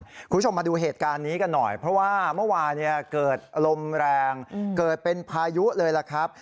คุณผู้ชมมาดูเหตุการณ์นี้กันหน่อยเพราะว่าเมื่อวานเนี่ยเกิดลมแรงเกิดเป็นพายุเลยล่ะครับ